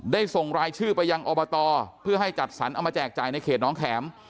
ส่งรายชื่อไปยังอบตเพื่อให้จัดสรรเอามาแจกจ่ายในเขตน้องแข็ม